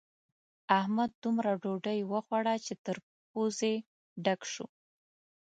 احمد دومره ډوډۍ وخوړه چې تر پزې ډک شو.